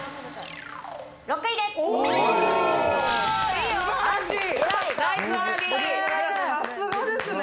６位です。